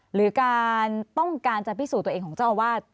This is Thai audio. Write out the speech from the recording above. หรือการต้องการจะพิสูจน์ตัวเองของเจ้าอาวาส